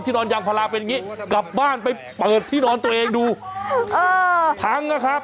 นอนยางพาราเป็นอย่างงี้กลับบ้านไปเปิดที่นอนตัวเองดูเออพังนะครับ